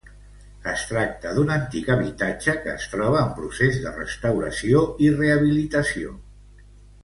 Es tracta d'un antic habitatge que es troba en procés de restauració i rehabilitació.